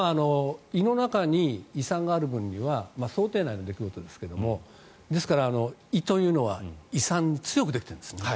胃の中に胃酸がある分には想定内の出来事ですがですから胃というのは胃酸に強くできてるんですね。